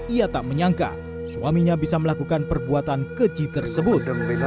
ia tak menyangka suaminya bisa melakukan perbuatan keji tersebut